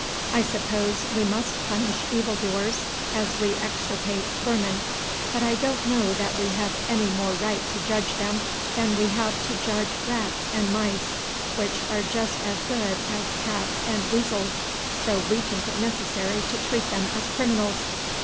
I suppose we must punish evil doers as we extirpate vermin; but I don't know that we have any more right to judge them than we have to judge rats and mice, which are just as good as cats and weasels, though we think it necessary to treat them as criminals.